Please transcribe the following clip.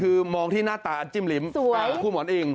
คือมองที่หน้าตาอันจิ้มลิ้มครูหมอนอิง